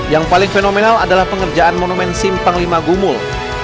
yang paling fenomenal adalah pengerjaan monumen simpang lima gumul